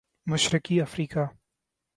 مشرقی افریقہ